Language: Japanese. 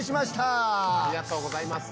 ありがとうございます。